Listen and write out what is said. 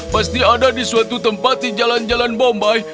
pasti ada di suatu tempat di jalan jalan bombay